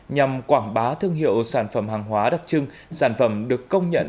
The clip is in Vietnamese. nhằm quảng bá thương hiệu sản phẩm hàng hóa đặc trưng sản phẩm được công nhận